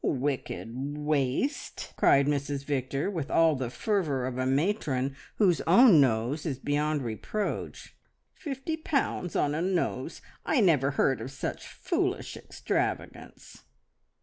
"Wicked waste!" cried Mrs Victor, with all the fervour of a matron whose own nose is beyond reproach. "Fifty pounds on a nose! I never heard of such foolish extravagance."